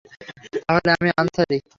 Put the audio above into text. তাহলে আমি আনসারী।